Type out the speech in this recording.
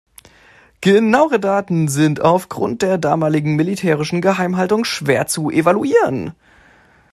Genauere Daten sind auf Grund der damaligen militärischen Geheimhaltung schwer zu evaluieren.